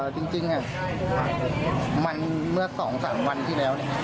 จริงจริงอ่ะมันเมื่อสองสามวันที่แล้วเนี้ย